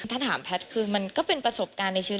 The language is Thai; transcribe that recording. ถ้าถามแพทย์คือมันก็เป็นประสบการณ์ในชีวิต